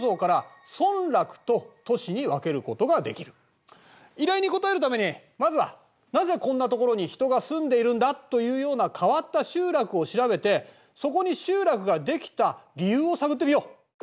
そして集落は依頼に答えるためにまずは「なぜこんな所に人が住んでいるんだ！？」というような変わった集落を調べてそこに集落が出来た理由を探ってみよう。